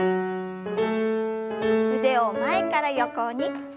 腕を前から横に。